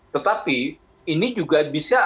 tetapi ini juga bisa